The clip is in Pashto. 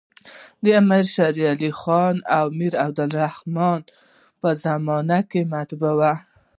د امیر شېرعلي خان او امیر عبدالر حمن په زمانو کي مطبعې وې.